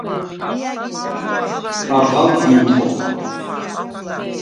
სკარხალ ძუ̂ირდ ხოხა.